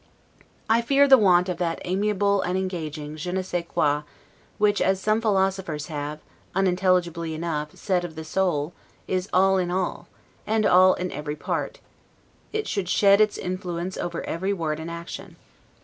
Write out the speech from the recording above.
I fear the want of that amiable and engaging 'je ne sais quoi', which as some philosophers have, unintelligibly enough, said of the soul, is all in all, and all in every part; it should shed its influence over every word and action.